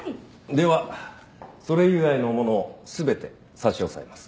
ではそれ以外のものを全て差し押さえます。